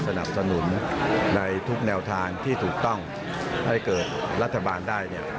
สนับสนุนในทุกแนวทางที่ถูกต้องให้เกิดรัฐบาลได้เนี่ย